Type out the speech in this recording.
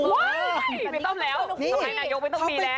เฮ้ยพี่สาวไหนงานยกไม่ต้องมีแล้ว